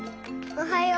おはよう。